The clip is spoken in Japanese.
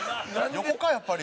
横かやっぱり。